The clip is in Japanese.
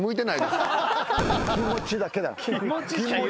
気持ちだけだよ。